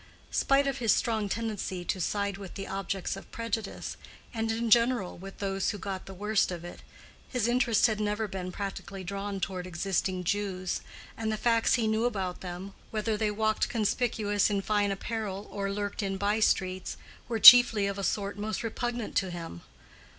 Spite of his strong tendency to side with the objects of prejudice, and in general with those who got the worst of it, his interest had never been practically drawn toward existing Jews, and the facts he knew about them, whether they walked conspicuous in fine apparel or lurked in by streets, were chiefly of a sort most repugnant to him.